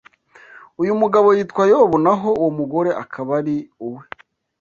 Uyu mugabo yitwa Yobu naho uwo mugore akaba ari uwe.